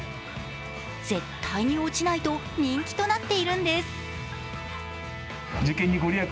絶対に落ちないと人気となっているんです。